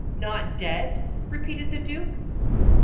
"Not dead!" repeated the duke.